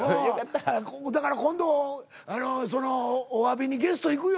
だから今度おわびにゲスト行くよ。